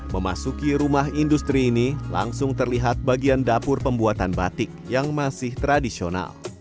memasuki rumah industri ini langsung terlihat bagian dapur pembuatan batik yang masih tradisional